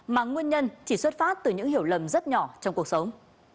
mà nguyên nhân chỉ xuất phát từ những hiểu lầm rất nhỏ trong cuộc sống